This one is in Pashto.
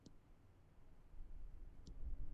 هغوی په ګډه کار کاوه.